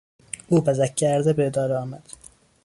او بزک کرده به اداره آمد.